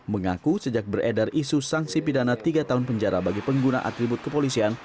mengaku sejak beredar isu sanksi pidana tiga tahun penjara bagi pengguna atribut kepolisian